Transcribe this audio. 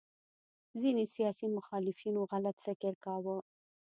ځینې سیاسي مخالفینو غلط فکر کاوه